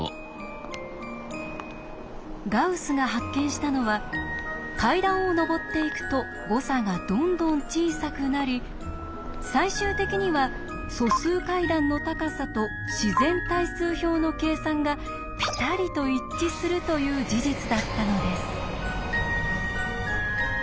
ガウスが発見したのは階段を上っていくと誤差がどんどん小さくなり最終的には「素数階段の高さ」と「自然対数表の計算」がピタリと一致するという事実だったのです。